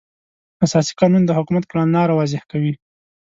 اساسي قانون د حکومت کړنلاره واضح کوي.